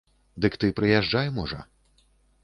Дык ты прыязджай, можа.